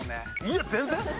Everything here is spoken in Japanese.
いや全然。